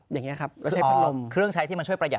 อย่างนี้ครับก็ใช้พัดลมเครื่องใช้ที่มันช่วยประหั